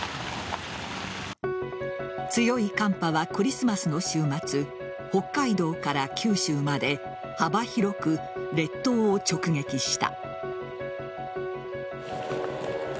強い寒波はクリスマスの週末北海道から九州まで幅広く列島を直撃した。